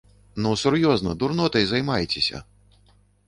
Ну сур'ёзна, дурнотай займаецеся!